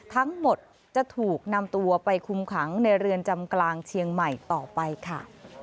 ทั้งหมดจะถูกนำตัวไปคุมขังในเรือนจำกลางเชียงใหม่ต่อไปค่ะ